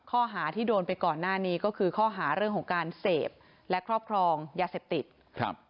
ข้อหาที่โดนไปก่อนหน้านี้ก็คือข้อหาเรื่องของการเสพและครอบครองยาเสพติดครับ